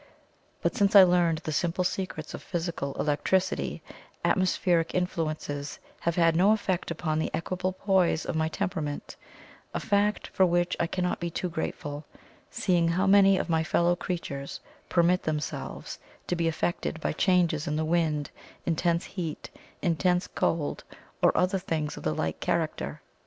But since I learned the simple secrets of physical electricity, atmospheric influences have had no effect upon the equable poise of my temperament a fact for which I cannot be too grateful, seeing how many of my fellow creatures permit themselves to be affected by changes in the wind, intense heat, intense cold, or other things of the like character.